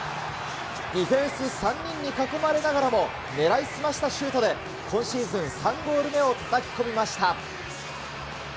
ディフェンス３人に囲まれながらも、狙いすましたシュートで今シーズン３ゴール目をたたき込みました。